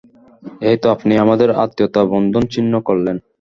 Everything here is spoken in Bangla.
এই তো আপনি আমাদের আত্মীয়তা-বন্ধন ছিন্ন করলেন।